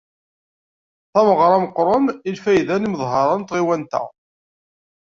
Tameɣra meqqren i lfayda n yimeḍharen n tɣiwant-a.